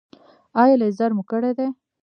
ایا لیزر مو کړی دی؟